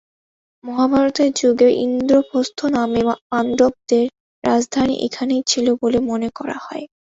মহাভারতের যুগে ইন্দ্রপ্রস্থ নামে পাণ্ডবদের রাজধানী এখানেই ছিল বলে মনে করা হয়।